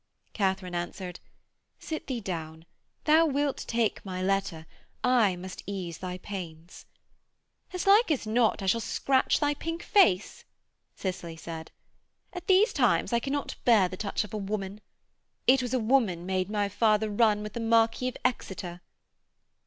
Katharine answered, 'Sit thee down. Thou wilt take my letter; I must ease thy pains.' 'As like as not I shall scratch thy pink face,' Cicely said. 'At these times I cannot bear the touch of a woman. It was a woman made my father run with the Marquis of Exeter.'